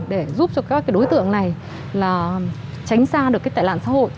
để giúp cho các đối tượng này tránh xa được tệ lạng xã hội